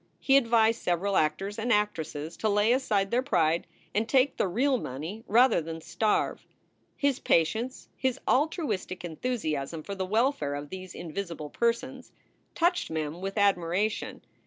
He advised several actors and actresses to lay aside their pride and take the real money rather than starve. His patience, his altruistic enthusiasm for the welfare of these invisible persons, touched Mem with admiration.